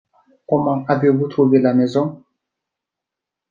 Comment avez-vous trouvé la maison ?